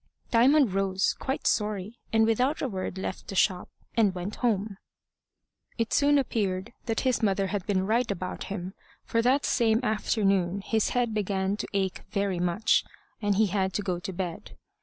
Diamond rose, quite sorry, and without a word left the shop, and went home. It soon appeared that his mother had been right about him, for that same afternoon his head began to ache very much, and he had to go to bed.